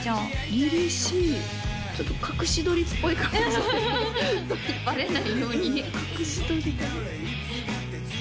りりしいちょっと隠し撮りっぽい感じバレないように隠し撮りかな？